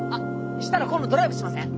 したら今度ドライブしません？